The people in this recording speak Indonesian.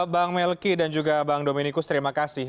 bang melki dan juga bang dominikus terima kasih